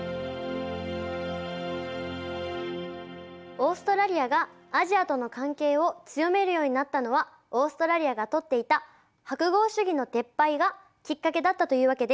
オーストラリアがアジアとの関係を強めるようになったのはオーストラリアがとっていた白豪主義の撤廃がきっかけだったというわけです。